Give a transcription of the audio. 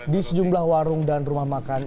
di sejumlah warung dan rumah makan